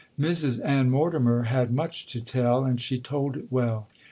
Mrs Ann Mortimer had much to tell,—and she told it well.